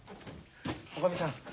おかみさん